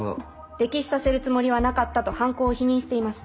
溺死させるつもりはなかったと犯行を否認しています。